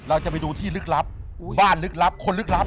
เราจะไปดูที่ลึกลับบ้านลึกลับคนลึกลับ